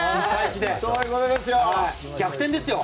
そういうことですよ！